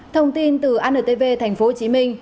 thông tin từ antv tp hcm